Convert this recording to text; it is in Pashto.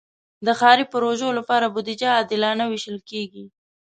د ښاري پروژو لپاره بودیجه عادلانه ویشل کېږي.